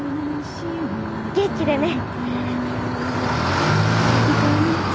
元気でね。